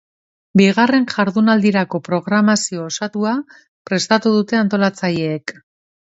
Bigarren jardunaldirako programazio osatua prestatu dute antolatzaileek.